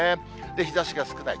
日ざしが少ない。